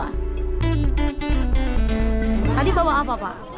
tadi bawa apa pak